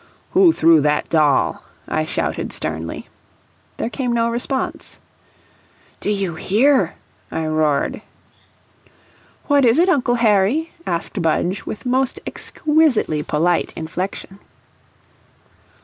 "Who threw that doll?" I shouted, sternly. There came no response. "Do you hear?" I roared. "What is it, Uncle Harry?" asked Budge, with most exquisitely polite inflection.